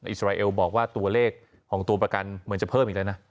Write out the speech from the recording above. อิสราเอลบอกว่าตัวเลขของตัวประกันเหมือนจะเพิ่มอีกแล้วนะ